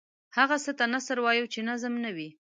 هغه څه ته نثر وايو چې نظم نه وي.